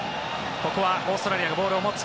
ここはオーストラリアがボールを持つ。